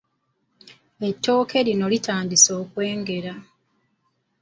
Ettooke lino litandise okwengera.